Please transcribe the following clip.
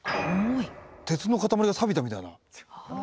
鉄の塊がさびたみたいな。